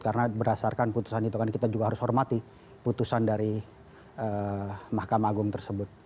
karena berdasarkan putusan itu kan kita juga harus hormati putusan dari mahkamah agung tersebut